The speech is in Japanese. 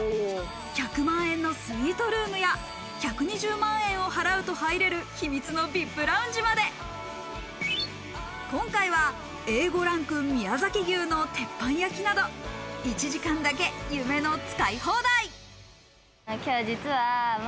１００万円のスイートルームや１２０万円を払うと入れる、秘密のＶＩＰラウンジまで、今回はＡ５ランク宮崎牛の鉄板焼きなど、１時間だけ夢の使い放題。